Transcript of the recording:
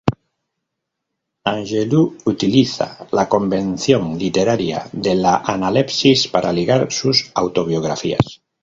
Angelou utiliza la convención literaria de la analepsis para ligar sus autobiografías.